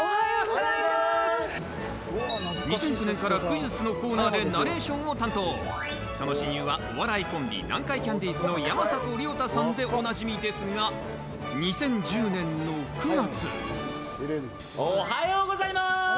２００９年からクイズッスのコーナーでナレーションを担当、その親友はお笑いコンビ南海キャンディーズの山里亮太さんでおなじみですが、２０１０年の９月。